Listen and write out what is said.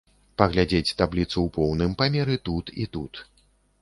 Паглядзець табліцу ў поўным памеры тут і тут.